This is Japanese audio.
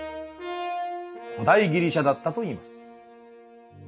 古代ギリシャだったといいます。